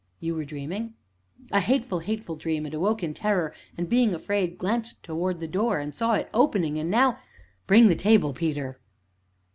"You were dreaming?" "A hateful, hateful dream, and awoke in terror, and, being afraid, glanced towards the door, and saw it opening and now bring the table, Peter."